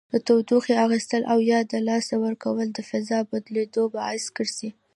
د تودوخې اخیستل او یا له لاسه ورکول د فاز بدلیدو باعث ګرځي.